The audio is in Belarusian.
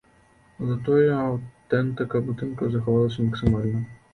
Затое аўтэнтыка будынку захавалася максімальна.